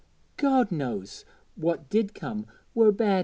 God knows what did come were bad enow.'